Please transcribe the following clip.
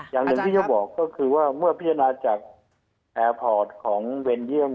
อย่างหนึ่งที่เขาบอกก็คือว่าเมื่อพิจารณาจากแอร์พอร์ตของเวนเยี่ยม